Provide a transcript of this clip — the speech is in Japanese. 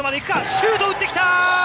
シュート打ってきた！